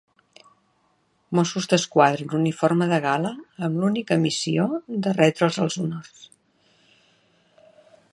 Mossos d'Esquadra en uniforme de gala amb l'única missió de retre'ls els honors.